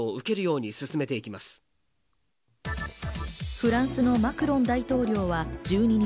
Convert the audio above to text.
フランスのマクロン大統領は１２日、